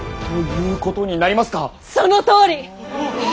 そのとおり！